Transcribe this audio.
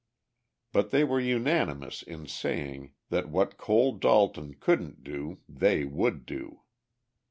But they were unanimous in saying that what Cole Dalton couldn't do they would do.